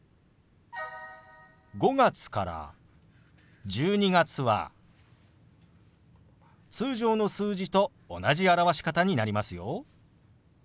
５月から１２月は通常の数字と同じ表し方になりますよ。